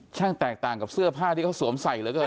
แตกต่างกับเสื้อผ้าที่เขาสวมใส่เหลือเกิน